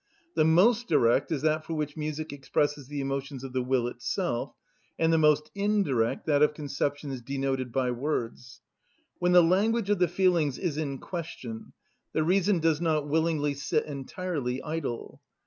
The most direct is that for which music expresses the emotions of the will itself, and the most indirect that of conceptions denoted by words. When the language of the feelings is in question the reason does not willingly sit entirely idle.